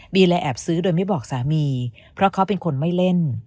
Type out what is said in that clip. เลยแอบซื้อโดยไม่บอกสามีเพราะเขาเป็นคนไม่เล่น